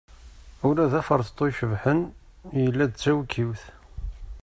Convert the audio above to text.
Ula d aferṭeṭṭu icebḥen, yella d tawekkiwt.